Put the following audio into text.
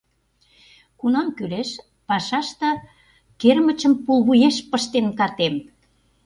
Кунам кӱлеш, пашаште кермычым пулвуеш пыштен катем.